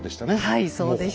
はいそうでした。